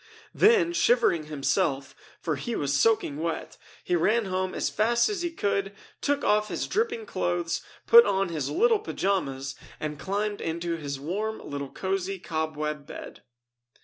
Then, shivering himself, for he was soaking wet, he ran home as fast as he could, took off his dripping clothes, put on his little pajamas, and climbed into his warm little cozy cobweb bed.